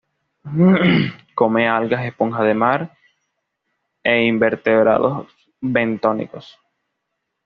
Come algas, esponjas de mar y invertebrados bentónicos.